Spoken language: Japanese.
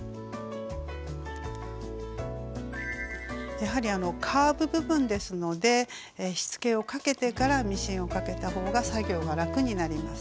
やはりカーブ部分ですのでしつけをかけてからミシンをかけた方が作業が楽になります。